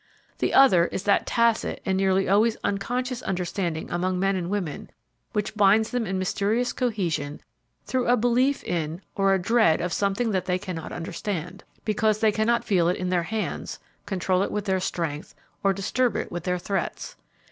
The other is that tacit and nearly always unconscious understanding among men and women, which binds them in mysterious cohesion through a belief in or a dread of something that they can not understand, because they can not feel it with their hands, control it with their strength or disturb it with their threats.